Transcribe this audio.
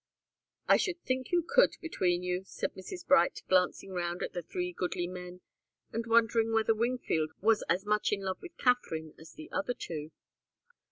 "I should think you could, between you," said Mrs. Bright, glancing round at the three goodly men, and wondering whether Wingfield was as much in love with Katharine as the other two.